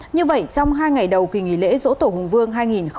như vậy trong hai ngày đầu kỳ nghỉ lễ dỗ tổ hùng vương hai nghìn hai mươi bốn